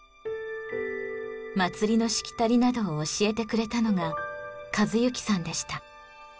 祭りのしきたりなどを教えてくれたのが一幸さんでした。